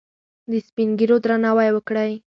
د سپین ږیرو درناوی وکړئ.